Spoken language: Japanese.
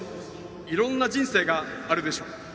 いろんな人生があるでしょう。